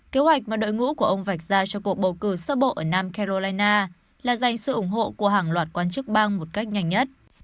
kế hoạch mà đội ngũ của ông vạch ra cho cuộc bầu cử sơ bộ ở nam carolina là dành sự ủng hộ của hàng loạt quan chức bang một cách nhanh nhất